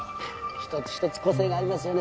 一つ一つ個性がありますよね